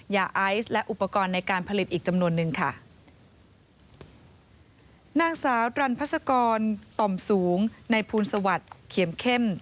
ยาไอซ์และอุปกรณ์ในการผลิตอีกจำนวนนึงค่ะนางสาวตรันพัศกรต่อมสูงในภูลสวัสดิ์เขียมเข้ม